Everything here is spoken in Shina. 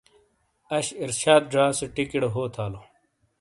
اش ارشاد زا سے ٹِیکیڑے ہو تھالو۔